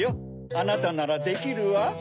あなたならできるわ。